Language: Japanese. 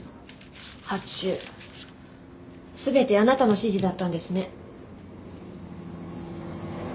発注全てあなたの指示だったんですね。